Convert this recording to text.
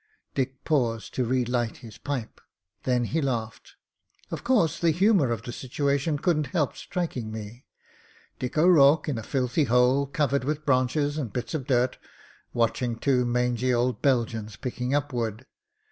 '' Dick paused to relight his pipe, then he laughed. '^Of course, the humour of the situation couldn't help striking me. Dick O'Rourke in a filthy hole, covered with branches and bits of dirt, watching two mangy old Belgians picking up wood.